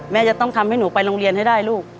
แม่จะต้องทำให้หนูไปโรงเรียนให้ได้ลูก